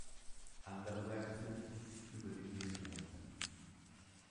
Andere Werke sind "Über dem Jenseits.